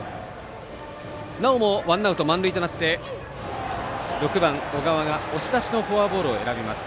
なおもワンアウト、満塁となって６番小川が押し出しのフォアボールを選びます。